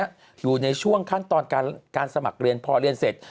อยู่ในช่วงขั้นตอนการสมัครเรียนพอเรียนเสร็จ